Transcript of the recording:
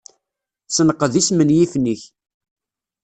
Senqed ismenyifen-ik.